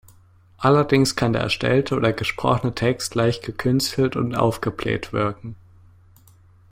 Allerdings kann der erstellte oder gesprochene Text leicht gekünstelt und aufgebläht wirken.